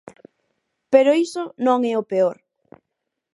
Pero iso non é o peor.